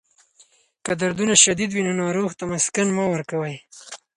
که دردونه شدید وي، نو ناروغ ته مسکن مه ورکوئ.